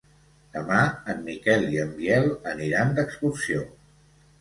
Demà en Miquel i en Biel aniran d'excursió.